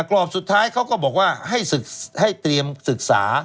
กรอบสุดท้ายเขาก็บอกว่าให้เตรียมศึกษา